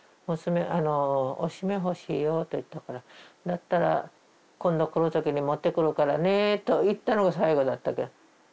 「おしめ欲しいよ」と言ったから「だったら今度来る時に持ってくるからね」と言ったのが最後だったけど。